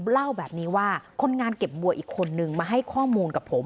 เล่าแบบนี้ว่าคนงานเก็บบัวอีกคนนึงมาให้ข้อมูลกับผม